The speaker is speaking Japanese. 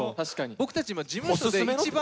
僕たち今事務所で一番。